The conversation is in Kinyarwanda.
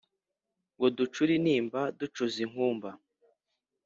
Ngo ducure intimba ducuze inkumba